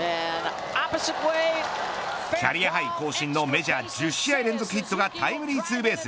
キャリアハイ更新のメジャー１０試合連続ヒットがタイムリーツーベース。